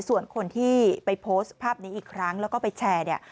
ส่วนคนที่ไปโพสต์ภาพนี้อีกครั้งแล้วก็ไปแชร์เนี่ย